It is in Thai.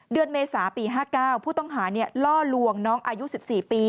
เมษาปี๕๙ผู้ต้องหาล่อลวงน้องอายุ๑๔ปี